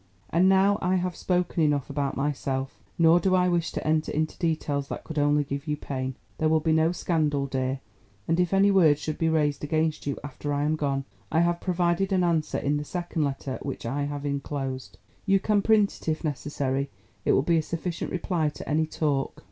"And now I have spoken enough about myself, nor do I wish to enter into details that could only give you pain. There will be no scandal, dear, and if any word should be raised against you after I am gone, I have provided an answer in the second letter which I have inclosed. You can print it if necessary; it will be a sufficient reply to any talk.